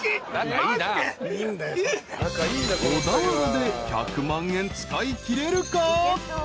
［小田原で１００万円使いきれるか？］